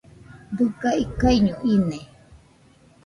Dɨga ikaiño ine